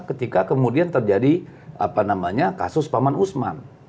ketika kemudian terjadi kasus paman usman